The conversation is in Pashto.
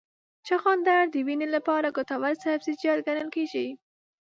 چغندر د وینې لپاره ګټور سبزیجات ګڼل کېږي.